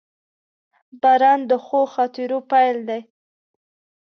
• باران د ښو خاطرو پیل دی.